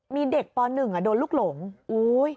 มีเด็กป่อนึงอ่ะโดนลูกหลงอุ้ย